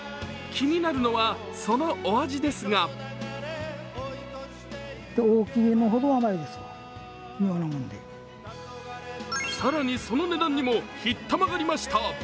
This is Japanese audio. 気になるのは、そのお味ですが更にその値段にもひったまがりました。